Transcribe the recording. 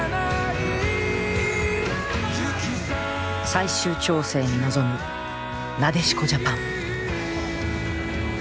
最終調整に臨むなでしこジャパン。